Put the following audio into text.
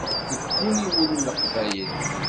Deg uniwel n leqbayel.